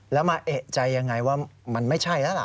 แล้วมาเอกใจยังไงว่ามันไม่ใช่แล้วล่ะ